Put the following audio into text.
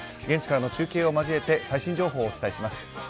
現地からの中継を交えて最新情報をお伝えします。